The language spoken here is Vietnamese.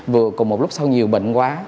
vừa cùng một lúc sau nhiều bệnh quá